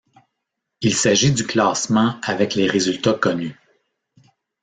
Il s'agit du classement avec les résultats connus.